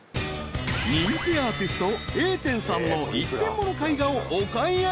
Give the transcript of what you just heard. ［人気アーティスト英天さんの一点物絵画をお買い上げ］